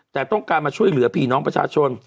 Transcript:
แต่ต้องการมาช่วยเหลือพี่น้องประชาชน